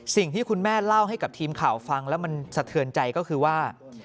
สิ่งที่คุณแม่เล่าให้กับทีมข่าวฟังแล้วมันสะเทือนใจก็คือว่า